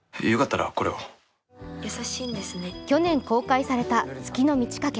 去年公開された「月の満ち欠け」。